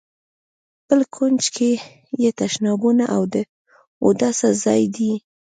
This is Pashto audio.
په بل کونج کې یې تشنابونه او د اوداسه ځای دی.